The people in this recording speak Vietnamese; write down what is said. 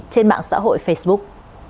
trên mạng xã hội facebook